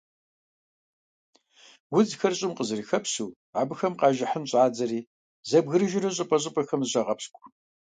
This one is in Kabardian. Удзхэр щIым къызэрыхэпщу, абыхэм къэжыхьын щIадзэри зэбгрыжурэ щIыпIэ-щIыпIэхэм зыщагъэпщкIу.